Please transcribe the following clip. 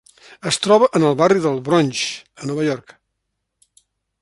Es troba en el barri del Bronx, a Nova York.